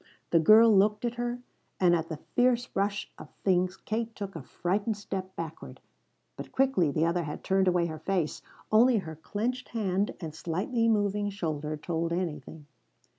The girl looked at her, and at the fierce rush of things Kate took a frightened step backward. But quickly the other had turned away her face. Only her clenched hand and slightly moving shoulder told anything.